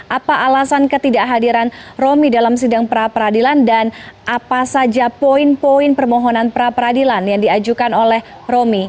apa alasan ketidakhadiran romi dalam sidang pra peradilan dan apa saja poin poin permohonan pra peradilan yang diajukan oleh romi